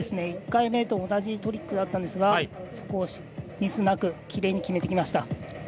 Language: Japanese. １回目と同じトリックでしたがそこをミスなくきれいに決めてきました。